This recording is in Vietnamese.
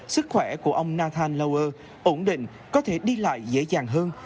sức khỏe của ông nathan lauer ổn định có thể đi lại dễ dàng hơn